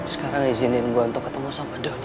sekarang izinin gue untuk ketemu sama donny